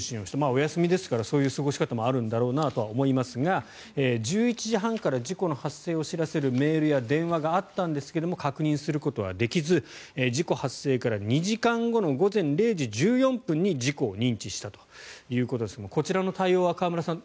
お休みですからそういう過ごし方もあるんだろうなとは思いますが１１時半から事故の発生を知らせるメールや電話があったんですが確認することはできず事故発生から２時間後に午前０時１４分に事故を認知したということですがこちらの対応は河村さん